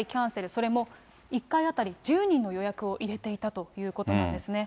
それも１回当たり１０人の予約を入れていたということなんですね。